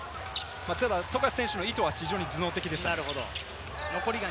ただ富樫選手の意図は非常に頭脳的でした。